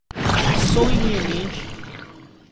Som em minha mente